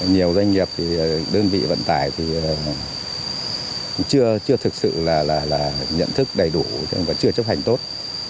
nhiều doanh nghiệp đơn vị vận tải thì chưa thực sự là nhận thức đầy đủ và chưa chấp hành tốt